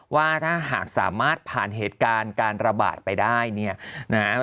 ว่าถ้าหากสามารถผ่านเหตุการณ์การระบาดไปได้เนี่ยนะครับ